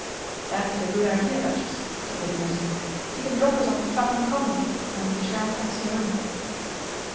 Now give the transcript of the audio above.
"That's a good idea, Duchess!" said Lady Muscombe. "He can drop us on Clapham Common, and we can share a taxi home."